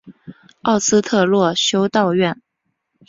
奥斯特洛修道院。